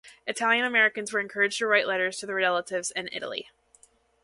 Italian-Americans were encouraged to write letters to their relatives in Italy.